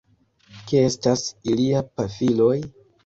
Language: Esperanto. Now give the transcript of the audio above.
Kie estas iliaj pafiloj?